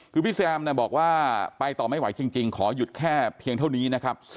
คือพี่แซมบอกว่าไปต่อไม่ไหวจริงขอหยุดแค่เพียงเท่านี้นะครับ